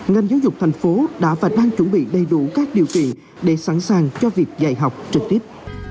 ngành giáo dục thành phố đã và đang chuẩn bị đầy đủ các điều kiện để sẵn sàng cho việc dạy học trực tiếp